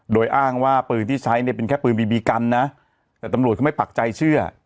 โดยอ้างว่าปืนที่ใช้เนี่ยเป็นแค่ปืนบีบีกันนะแต่ตำรวจเขาไม่ปักใจเชื่อ